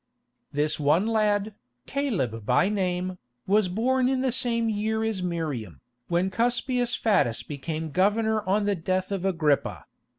This one lad, Caleb by name, was born in the same year as Miriam, when Cuspius Fadus became governor on the death of Agrippa.